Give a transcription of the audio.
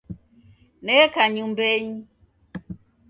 Neka nyumbenyi